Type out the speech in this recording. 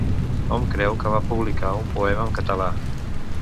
Hom creu que va publicar un poema en català.